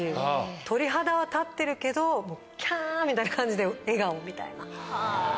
鳥肌は立ってるけどキャみたいな感じで笑顔みたいな。